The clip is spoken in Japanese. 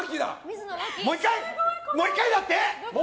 もう１回だって！